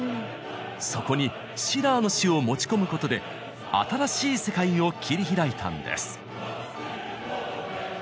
そこにシラーの詩を持ち込むことで新しい世界を切り開いたんです。